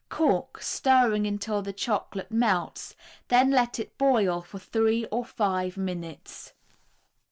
Cook, stirring until the chocolate melts, then let it boil for three or five minutes.